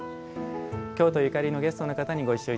京都ゆかりのゲストの方にご一緒いただきます。